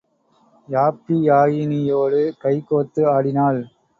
யாப்பியாயினியோடு கை கோத்து ஆடினாள்.